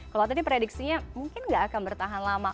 kalau tadi prediksinya mungkin nggak akan bertahan lama